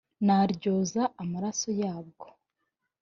naryoza amaraso yabwo